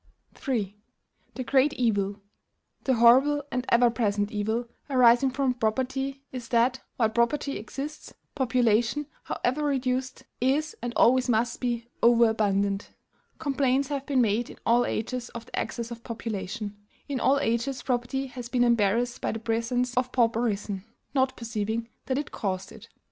III. The great evil the horrible and ever present evil arising from property, is that, while property exists, population, however reduced, is, and always must be, over abundant. Complaints have been made in all ages of the excess of population; in all ages property has been embarrassed by the presence of pauperism, not perceiving that it caused it.